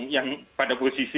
yang pada posisi